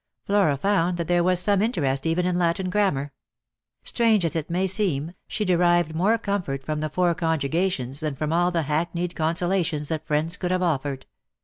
Flora found that there was some interest even in Latin gram mar. Strange as it may seem, she derived more comfort from the four conjugations than from all the hackneyed consolations that friends could have offered.